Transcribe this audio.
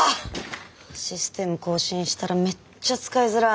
システム更新したらめっちゃ使いづらい。